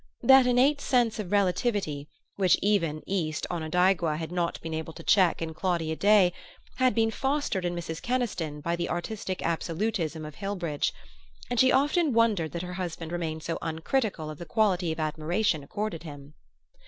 That innate sense of relativity which even East Onondaigua had not been able to check in Claudia Day had been fostered in Mrs. Keniston by the artistic absolutism of Hillbridge, and she often wondered that her husband remained so uncritical of the quality of admiration accorded him.